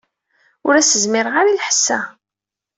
Ur as-zmireɣ ara i lḥess-a.